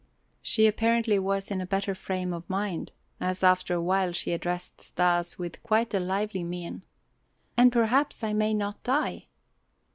She apparently was in a better frame of mind, as after a while she addressed Stas with quite a lively mien. "And perhaps I may not die."